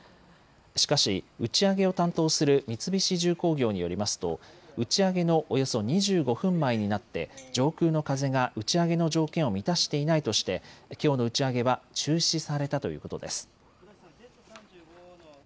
しかし打ち上げを担当する三菱重工業によりますと打ち上げのおよそ２５分前になって上空の風が打ち上げの条件を満たしていないとしてきょうの打ち上げは中止されたということです。